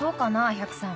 百さん。